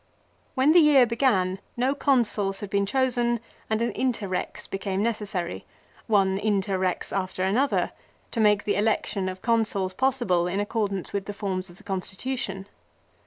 When the year began no Consuls had been chosen and an interrex became necessary, one interrex after another, B c 52 to make the election of Consuls possible in accord ant. 55. ance ^k ^g f orms O f t} ie constitution.